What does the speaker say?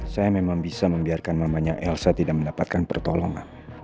saya memang bisa membiarkan namanya elsa tidak mendapatkan pertolongan